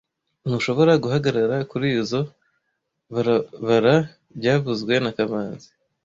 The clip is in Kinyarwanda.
Ntushobora guhagarara kurizoi barabara byavuzwe na kamanzi